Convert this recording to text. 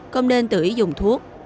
không nên tự ý dùng thuốc